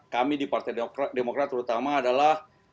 kami di pkb terutama kita